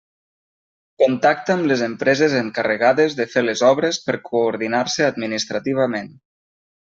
Contacta amb les empreses encarregades de fer les obres per coordinar-se administrativament.